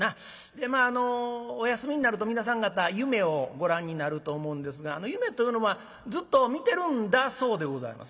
でまあお休みになると皆さん方夢をご覧になると思うんですが夢というのはずっと見てるんだそうでございます。